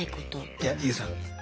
いやＹＯＵさん